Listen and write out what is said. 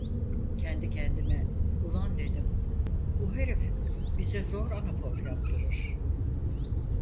Kendi kendime: "Ulan" dedim, "bu herif bize zor anafor yaptırır."